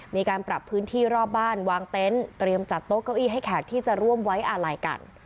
มีการปรับพื้นที่รอบบ้านวางเต็นต์เตรียมจัดโต๊ะเก้าอี้ให้แขกที่จะร่วมไว้อาลัยกัน